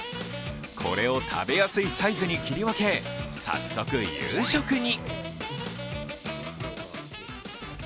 これを食べやすいサイズに切り分け、早速、夕食に。